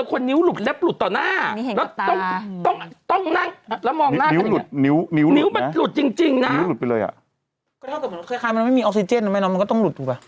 ก็เท่ากับผลของเขาคล้ายมันไม่มีออกซิเจนมันก็ต้องหลุดไป